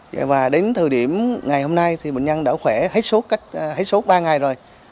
và đến thời điểm ngày hôm nay thì bệnh nhân đã khỏe hết sốt ba ngày rồi